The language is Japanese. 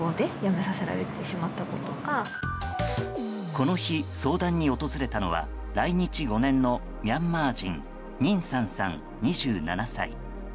この日、相談に訪れたのは来日５年のミャンマー人ニンサンさん、２７歳。